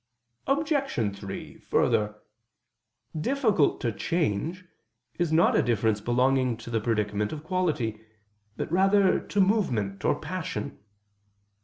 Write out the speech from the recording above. Obj. 3: Further, "difficult to change" is not a difference belonging to the predicament of quality, but rather to movement or passion.